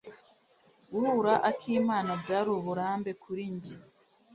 Guhura akimana byari uburambe kuri njye.